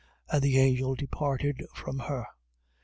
And the angel departed from her.